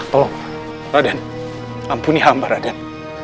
tolong raden ampuni hamba raden